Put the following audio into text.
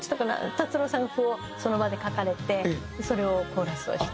達郎さんが譜をその場で書かれてそれをコーラスをした。